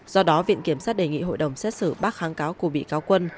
do đó viện kiểm sát đề nghị hội đồng xét xử bác kháng cáo của bị cáo quân